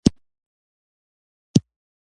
وزې له غرونو ښکته د منډې شوق لري